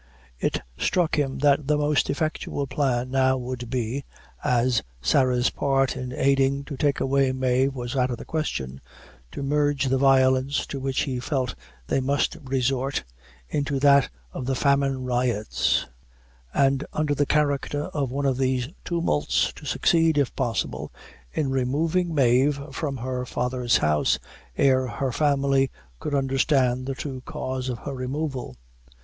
It struck him that the most effectual plan now would be as Sarah's part in aiding to take away Mave was out of the question to merge the violence to which he felt they must resort, into that of the famine riots; and under the character of one of these tumults, to succeed, if possible, in removing Mave from her father's house, ere her family could understand the true cause of her removal.